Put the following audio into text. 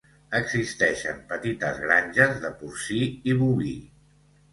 Existeixen petites granges de porcí i boví.